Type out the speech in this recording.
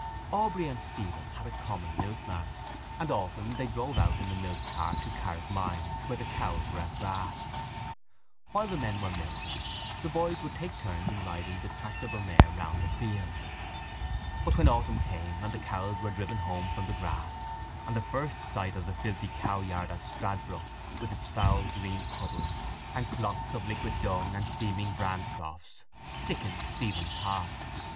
Aubrey and Stephen had a common milkman and often they drove out in the milkcar to Carrickmines where the cows were at grass. While the men were milking the boys would take turns in riding the tractable mare round the field. But when autumn came the cows were driven home from the grass: and the first sight of the filthy cowyard at Stradbrook with its foul green puddles and clots of liquid dung and steaming bran troughs, sickened Stephen's heart.